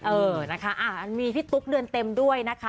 เออนะคะมีพี่ตุ๊กเดือนเต็มด้วยนะคะ